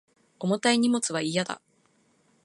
重たい荷物は嫌だ